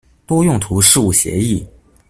多用途事务协议。